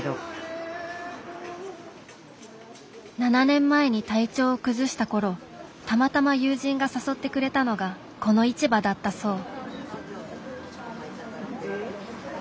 ７年前に体調を崩した頃たまたま友人が誘ってくれたのがこの市場だったそう。